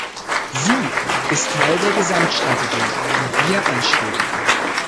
Sie ist Teil der Gesamtstrategie, die wir anstreben.